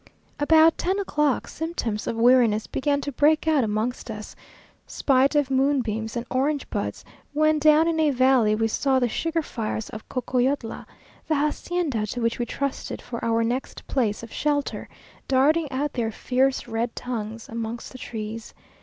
About ten o'clock symptoms of weariness began to break out amongst us, spite of moonbeams and orange buds; when down in a valley we saw the sugar fires of Cocoyotla, the hacienda to which we trusted for our next place of shelter, darting out their fierce red tongues amongst the trees.